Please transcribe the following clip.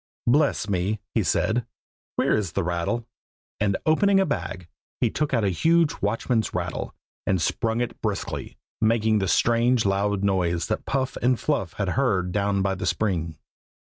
"Bless me!" he said. "Where is the rattle?" and opening a bag, he took out a huge watchman's rattle, and sprung it briskly, making the strange loud noise that Puff and Fluff had heard down by the spring.